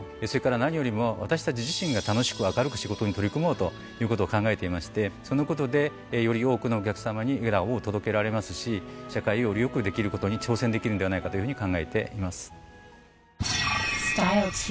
それから何よりも私たち自身が楽しく明るく仕事に取り組もうということを考えていましてそのことでより多くのお客さまに笑顔を届けられますし社会をより良くできることに挑戦できるのではないかというふうに考えています。